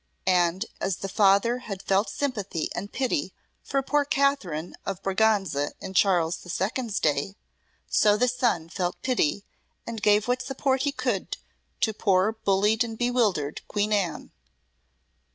And as the father had felt sympathy and pity for poor Catherine of Braganza in Charles the Second's day, so the son felt pity and gave what support he could to poor bullied and bewildered Queen Anne.